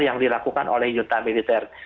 yang dilakukan oleh yuta militer